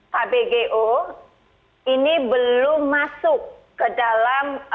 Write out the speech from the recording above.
kbgo ini belum masuk ke dalam